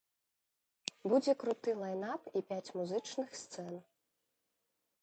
Будзе круты лайн-ап і пяць музычных сцэн.